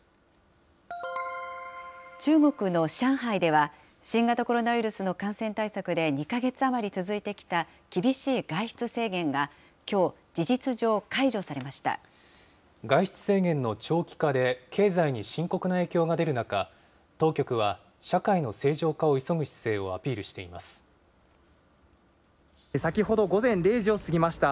中国の上海では、新型コロナウイルスの感染対策で２か月余り続いてきた厳しい外出制限が、外出制限の長期化で経済に深刻な影響が出る中、当局は社会の正常化を急ぐ姿勢をアピールして先ほど、午前０時を過ぎました。